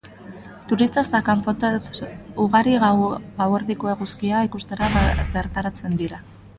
Turista eta kanpotar ugari gauerdiko eguzkia ikustera bertaratzen dira.